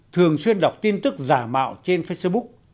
thường xuyên đọc tin tức giả mạo trên facebook